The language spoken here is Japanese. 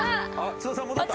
津田さん戻った！